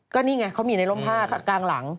ก็นี่ไงเขามีในร่มผ้ากลางหลัง